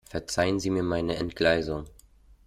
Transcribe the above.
Verzeihen Sie mir meine Entgleisung.